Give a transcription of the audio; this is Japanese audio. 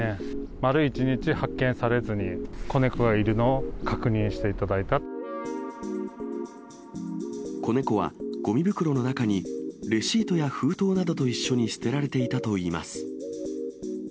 丸１日発見されずに、子猫がいる子猫はごみ袋の中に、レシートや封筒などと一緒に捨てられていたといいます。